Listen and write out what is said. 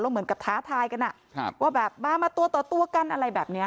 เหมือนกับท้าทายกันว่าแบบมามาตัวต่อตัวกันอะไรแบบนี้